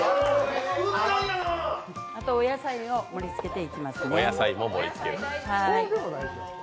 お野菜を盛りつけていきます。